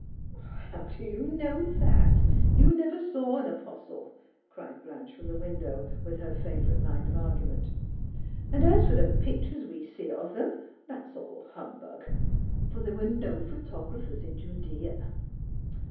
" How do you know that ? You never saw an apostle," cried Blanche from the window, with her favourite line of argument. " And as for the pictures we see of them, that's all humbug ! for there were no pliotographcrs in Judea."